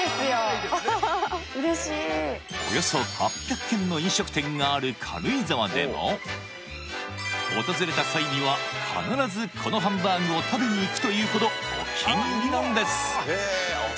嬉しいおよそ８００軒の飲食店がある軽井沢でも訪れた際には必ずこのハンバーグを食べに行くというほどお気に入りなんです